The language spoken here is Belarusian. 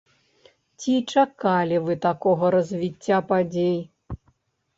Ці чакалі вы такога развіцця падзей?